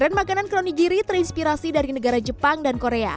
tren makanan kronigiri terinspirasi dari negara jepang dan korea